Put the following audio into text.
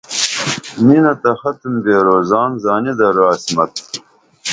مِنہ تہ ختُم بیرو زان زانی درو عصمت